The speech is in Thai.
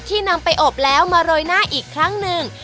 นำไปอบแล้วมาโรยหน้าอีกครั้งหนึ่ง